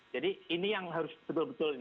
jadi ini yang harus betul betul ini